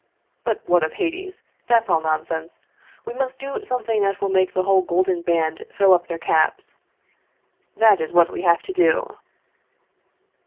But what of Hades ? that's all nonsense. We must do something that will make the whole Golden Band throw up their caps. That is what we have to do!